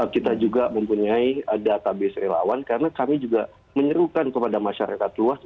kita juga mempunyai database relawan karena kami juga menyerukan kepada masyarakat luas